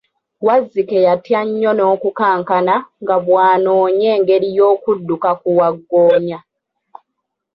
Wazzike yatya nnyo n'okukankana nga bw'anonya engeri y'okudduka ku Waggoonya.